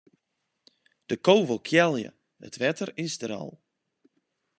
De ko wol kealje, it wetter is der al.